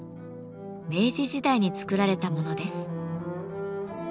明治時代に作られたものです。